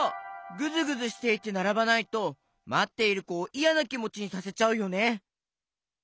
ぐずぐずしていてならばないとまっているこをいやなきもちにさせちゃうよね。